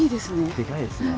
でかいですね。